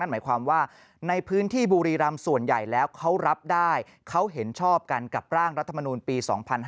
หมายความว่าในพื้นที่บุรีรำส่วนใหญ่แล้วเขารับได้เขาเห็นชอบกันกับร่างรัฐมนูลปี๒๕๕๙